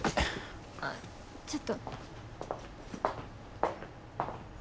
ああちょっと。